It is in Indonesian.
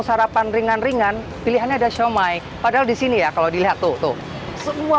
sarapan ringan ringan pilihannya ada siomay padahal di sini ya kalau dilihat tuh semua